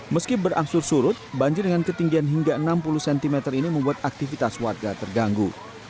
meski berangsur surut banjir dengan ketinggian hingga enam puluh cm ini membuat aktivitas warga terganggu